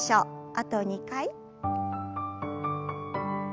あと２回。